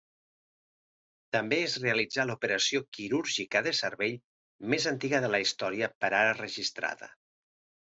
També es realitzà l'operació quirúrgica de cervell més antiga de la història per ara registrada.